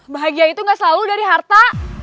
bahagia itu gak selalu dari harta